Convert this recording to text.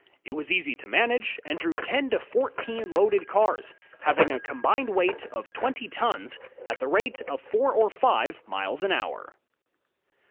It was easy to manage, and drew ten to fourteen loaded cars, having a combined weight of twenty tons, at the rate of four or five miles an hour.